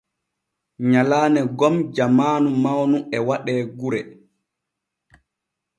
Nyalaane gom jamaanu mawnu e waɗe gure.